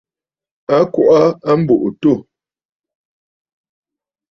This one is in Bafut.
A kɔʼɔ aa a mbùʼû àtû.